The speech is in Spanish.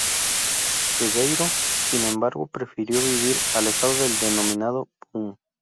Ribeyro, sin embargo, prefirió vivir alejado del denominado "Boom".